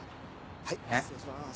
はい失礼します。